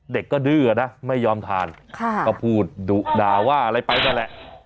เด็กก็ดื้อนะไม่ยอมทานก็พูดดุด่าว่าอะไรไปนั่นแหละ